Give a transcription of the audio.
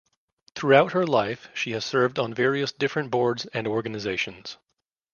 Throughout her life she has served on various different boards and organizations.